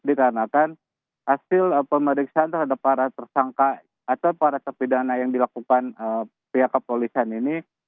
dikarenakan hasil pemeriksaan terhadap para tersangka atau para terpidana yang dilakukan pihak kepolisian ini